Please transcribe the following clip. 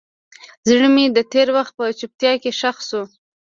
زړه مې د تېر وخت په چوپتیا کې ښخ شو.